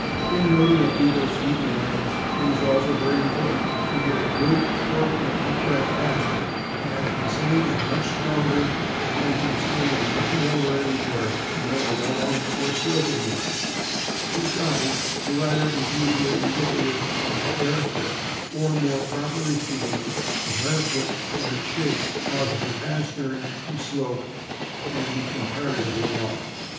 In noting a Beagle' s feet and legs, it is also very important to get a good short and upright pastern, as the same is much stronger and can stand much more wear and tear than a long or sloping one; besides, the latter is usually indicative of a hare foot, or, more properly speaking, a hare foot, from its shape, causes the pastern to slope and be comparatively long.